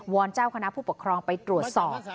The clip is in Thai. อนเจ้าคณะผู้ปกครองไปตรวจสอบ